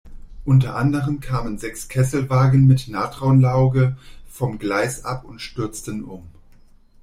Unter anderem kamen sechs Kesselwagen mit Natronlauge vom Gleis ab und stürzten um.